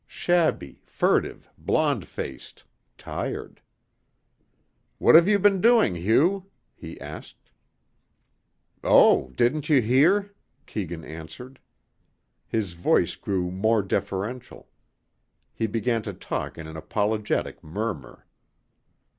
Shabby, furtive, blond faced, tired. "What have you been doing, Hugh?" he asked. "Oh, didn't you hear," Keegan answered. His voice grew more deferential. He began to talk in an apologetic murmur.